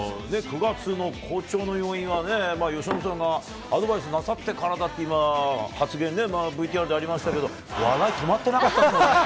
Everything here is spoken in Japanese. ９月の好調の要因は、由伸さんがアドバイスなさってからだって、今、発言ね、ＶＴＲでありましたけれども、笑い止まってなかったけど。